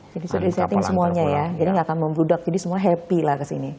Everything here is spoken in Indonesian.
jadi sudah disetting semuanya ya jadi tidak akan membudak jadi semua happy lah ke sini